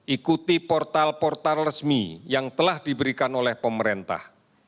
ikuti portal portal resmi yang telah diberikan oleh pemerintah